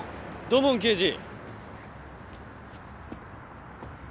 土門刑事。